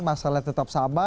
masalah tetap sama